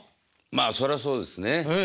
まあそらそうですね。